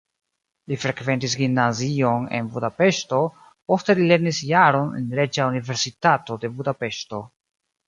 Li frekventis gimnazion en Budapeŝto, poste li lernis jaron en Reĝa Universitato de Budapeŝto.